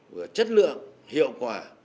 vừa là chất lượng hiệu quả